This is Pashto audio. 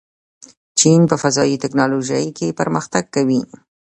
چین په فضايي تکنالوژۍ کې پرمختګ کوي.